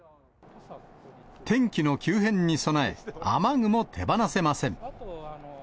天気の急変に備え、雨具も手放せません。